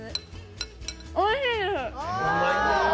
おいしいです。